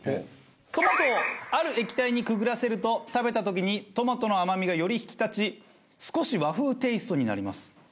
トマトをある液体にくぐらせると食べた時にトマトの甘みがより引き立ち少し和風テイストになります。